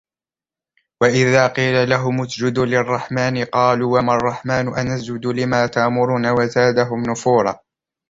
وَإِذَا قِيلَ لَهُمُ اسْجُدُوا لِلرَّحْمَنِ قَالُوا وَمَا الرَّحْمَنُ أَنَسْجُدُ لِمَا تَأْمُرُنَا وَزَادَهُمْ نُفُورًا